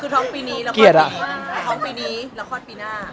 ท้องปีนี้เราคลอดปีหน้า